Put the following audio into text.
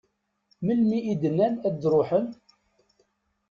Melmi i d-nnan ad d-ruḥen?